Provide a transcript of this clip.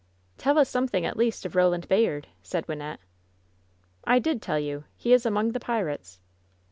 "Tell us something at least of Roland Bayard," said Wynnette. "I did tell you I He is among the pirates."